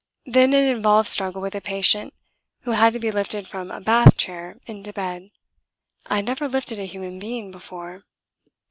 Then an involved struggle with a patient who had to be lifted from a bath chair into bed. (I had never lifted a human being before.)